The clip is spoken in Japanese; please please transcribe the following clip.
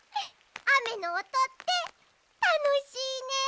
あめのおとってたのしいね。